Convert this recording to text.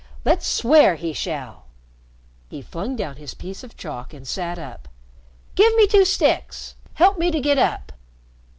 Let's swear he shall!" He flung down his piece of chalk and sat up. "Give me two sticks. Help me to get up."